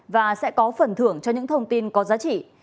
và sẽ có phần thưởng cho những thông tin có giá trị